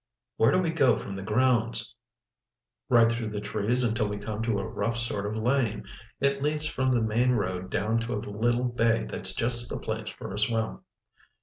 "Where do we go from the grounds?" "Right through the trees until we come to a rough sort of lane. It leads from the main road down to a little bay that's just the place for a swim."